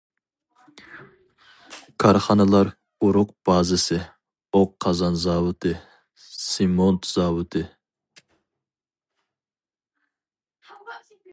كارخانىلار ئۇرۇق بازىسى، ئوق قازان زاۋۇتى، سېمونت زاۋۇتى.